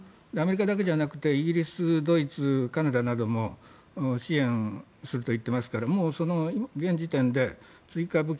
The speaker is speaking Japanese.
アメリカだけじゃなくてイギリス、ドイツ、カナダなども支援すると言っていますからもう現時点で追加